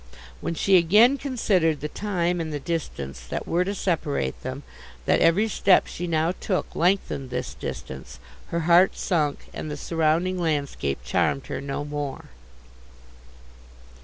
When she again considered the time and the distance that were to separate them, that every step she now took lengthened this distance, her heart sunk, and the surrounding landscape charmed her no more.